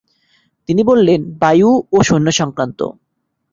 তিনি বললেন, বায়ু ও সৈন্য সংক্রান্ত।